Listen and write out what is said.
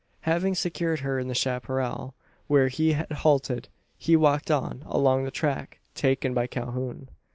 Having secured her in the chapparal where he had halted, he walked on along the track taken by Calhoun.